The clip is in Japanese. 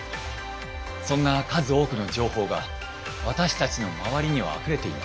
そんな数多くの情報が私たちの周りにはあふれています。